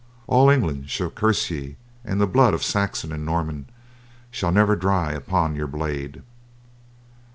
"All England shall curse ye and the blood of Saxon and Norman shall never dry upon your blade."